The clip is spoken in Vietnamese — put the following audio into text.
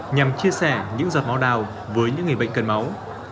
nhằm chia sẻ những giọt máu đào với những người bệnh cần máu